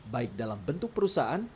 baik dalam bentuk perusahaan